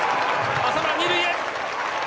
浅村２塁へ。